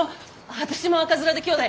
私も赤面できょうだい！